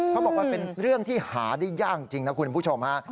เขาบอกว่าเป็นเรื่องที่หาได้ยากจริงนะคุณผู้ชมฮะ